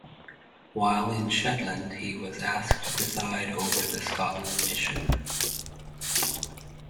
While in Shetland he was asked to preside over the Scotland Mission.